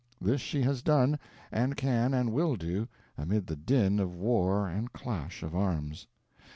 This she has done, and can and will do, amid the din of war and clash of arms.